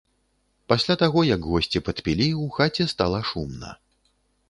Пасля таго як госці падпілі, у хаце стала шумна.